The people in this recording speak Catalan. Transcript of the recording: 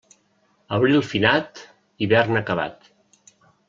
Abril finat, hivern acabat.